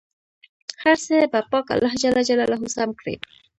هر څه به پاک الله جل جلاله سم کړي.